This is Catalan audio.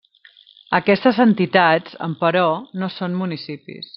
Aquestes entitats, emperò no són municipis.